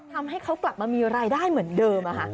ทำให้เขากลับมามีรายได้เหมือนเดิม